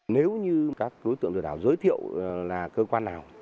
nếu như các đối tượng lừa đảo giới thiệu là cơ quan nào